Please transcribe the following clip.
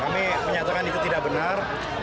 kami menyatakan itu tidak benar